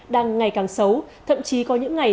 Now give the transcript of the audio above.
đang ngày càng xấu thậm chí có những ngày